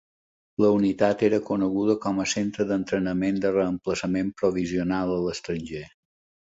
La unitat era coneguda com a Centre d'entrenament de reemplaçament provisional a l'estranger.